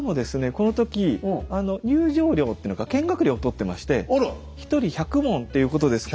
この時入場料というのか見学料をとってまして１人１００文っていうことですから。